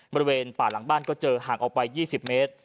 บริเวณป่าหลังบ้านก็เจอห่างออกไป๒๐เมตร